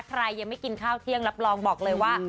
ใครยังไม่กินข้าวเที่ยงรับรองบอกเลยว่า